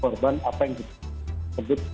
korban apa yang kita sebut